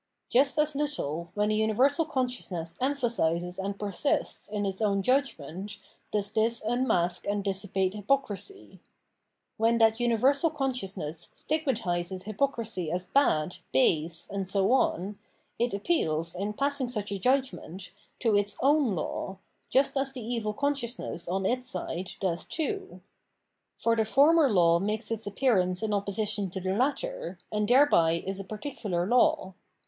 Just as little, when the xiniversal consciousness emphasises and persists in its own judgment, does this unmask and dissipate hypocrisy, '^en that universal consciousness stigmatises hypocrisy as bad, base, and so on, it appeals, in passing such a judgment, to its ovm law, just as the evil consciousness, on its side, does too. For the former law makes its appearance in opposition to the latter, and thereby is a particular law.